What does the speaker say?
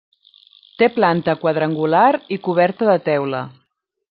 Té planta quadrangular i coberta de teula.